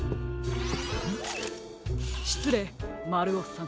しつれいまるおさん。